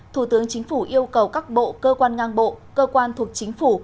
thủ tướng chính phủ yêu cầu các bộ cơ quan ngang bộ cơ quan thuộc chính phủ